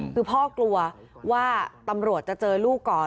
คือพ่อกลัวว่าตำรวจจะเจอลูกก่อน